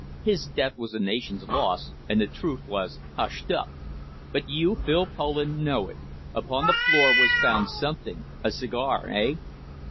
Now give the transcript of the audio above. His death was a nation's loss, and the truth was hushed up. But you, Phil Poland, know it. Upon the floor was found something a cigar eh?"